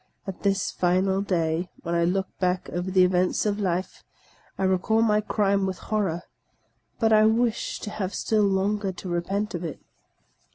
At this final day, when I look back over the events of life, I recall my crime with horror; but I wish to have still longer to repent of it.